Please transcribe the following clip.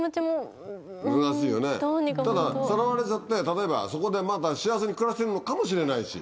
難しいよねたださらわれて例えばそこでまた幸せに暮らしてるのかもしれないし。